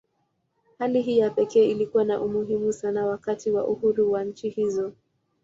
Hali hii ya pekee ilikuwa na umuhimu hasa wakati wa uhuru wa nchi hizo.